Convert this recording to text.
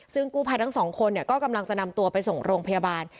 ซึ่งกู้ภัยทั้งสองคนก็กำลังจะนำตัวไปส่งโรงพยาบาล